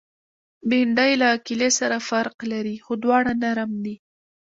بېنډۍ له کیلې سره فرق لري، خو دواړه نرم دي